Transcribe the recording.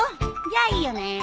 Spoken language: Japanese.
じゃあいいよね。